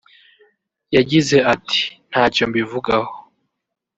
yagize ati ″ Ntacyo mbivugaho